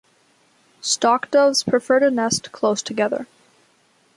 Stock doves prefer to nest close together.